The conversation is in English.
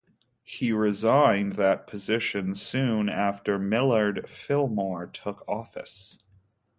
He resigned that position soon after Millard Fillmore took office.